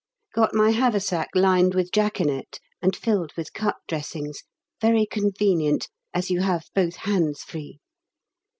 Got my haversack lined with jaconet and filled with cut dressings, very convenient, as you have both hands free.